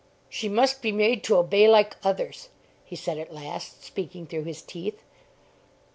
"She must be made to obey like others," he said at last, speaking through his teeth.